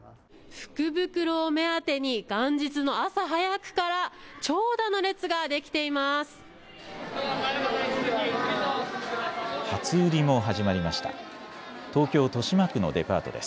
福袋を目当てに元日の朝早くから長蛇の列ができています。